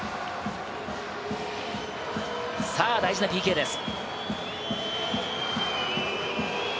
さぁ大事なＰＫです。